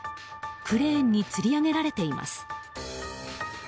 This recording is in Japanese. クレーンにつり上げられています。